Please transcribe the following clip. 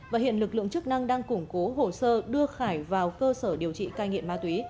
và hiện lực lượng chức năng đang củng cố hồ sơ đưa khải vào cơ sở điều trị cai nghiện ma túy